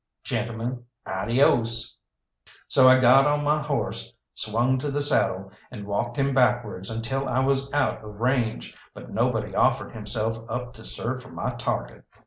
Gentlemen, adios!" So I got my horse, swung to the saddle, and walked him backwards until I was out of range, but nobody offered himself up to serve for my target.